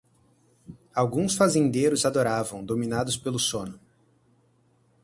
Alguns fazendeiros adoravam, dominados pelo sono.